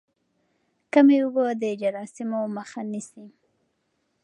کمې اوبه د جراثیمو مخه نیسي.